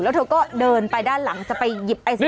แล้วเธอก็เดินไปด้านหลังจะไปหยิบไอศ